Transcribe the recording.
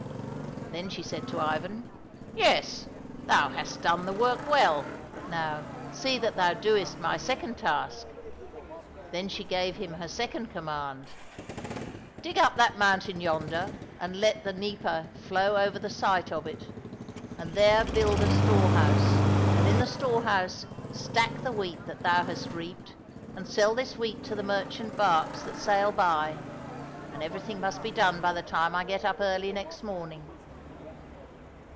Then she said to Ivan, " Yes, thou hast done the work well. But now, see that thou doest my second task." Then she gave him her second command. " Dig up 245 COSSACK FAIRY TALES that mountain yonder and let the Dnieper flow over the site of it, and there build a store house, and in the store house stack the wheat that thou hast reaped, and sell this wheat to the merchant barques that sail by, and everything must be done by the time I get up early next morning